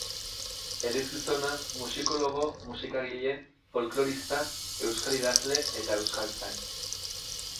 Elizgizona, musikologo, musikagile, folklorista, euskal idazle eta euskaltzain.